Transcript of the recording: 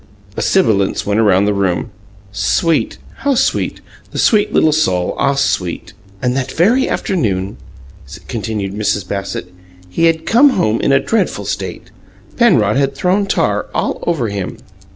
A sibilance went about the room. "Sweet! How sweet! The sweet little soul! Ah, SWEET!" "And that very afternoon," continued Mrs. Bassett, "he had come home in a dreadful state. Penrod had thrown tar all over him."